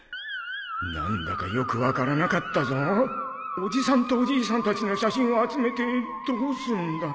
何だかよく分からなかったぞおじさんとおじいさんたちの写真を集めてどうするんだ？